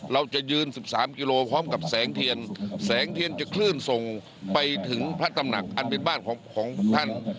เราจะยืน๑๓กิโลพร้อมกับแสงเทียนแสงเทียนจะคลื่นส่งไปถึงพระตำหนักอันเป็นบ้านของท่าน